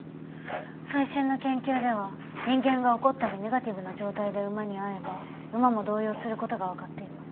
最新の研究では人間が怒ったりネガティブな状態で馬に会えば馬も動揺する事がわかっています。